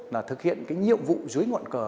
là thực hiện cái nhiệm vụ dưới ngoạn cờ